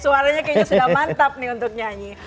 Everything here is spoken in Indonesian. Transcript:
suaranya kayaknya sudah mantap nih untuk nyanyi